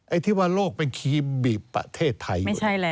ที่ว่าโลกเป็นคีย์บีบประเทศไทย